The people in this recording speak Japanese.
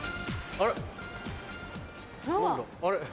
あれ？